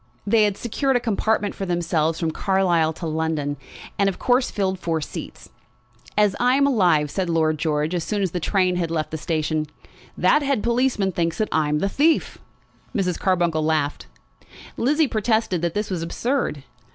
They had secured a compartment for themselves from Carlisle to London, and of course filled four seats. "As I am alive," said Lord George as soon as the train had left the station, "that head policeman thinks that I am the thief!" Mrs. Carbuncle laughed. Lizzie protested that this was absurd.